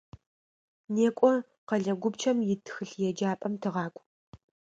НекӀо, къэлэ гупчэм ит тхылъеджапӏэм тыгъакӀу.